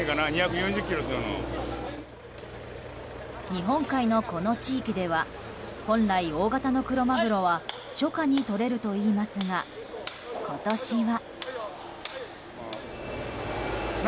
日本海のこの地域では本来、大型のクロマグロは初夏にとれるといいますが今年は。